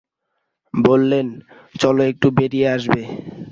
বললেন, চলো একটু বেড়িয়ে আসবে।